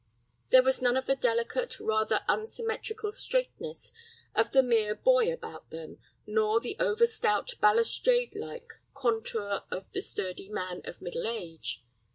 There was none of the delicate, rather unsymmetrical straightness of the mere boy about them, nor the over stout, balustrade like contour of the sturdy man of middle age.